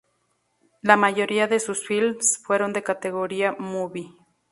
La mayoría de sus films fueron de categoría "B movie".